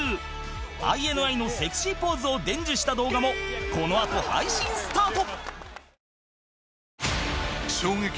ＩＮＩ のセクシーポーズを伝授した動画もこのあと配信スタート